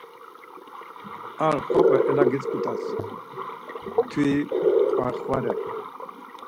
Ar xop̌e elegidzut̆as, mturi xvare.